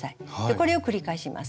これを繰り返します。